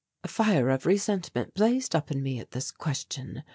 A fire of resentment blazed up in me at this question.